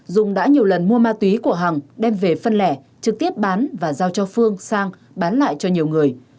dung đã nhiều lần mua ma túy của hằng đem về phân lẻ trực tiếp bán và giao cho phương sang bán lại cho nhiều người